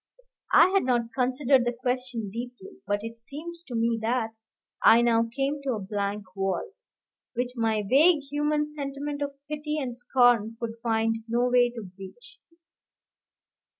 I had not considered the question deeply, but it seemed to me that I now came to a blank wall, which my vague human sentiment of pity and scorn could find no way to breach.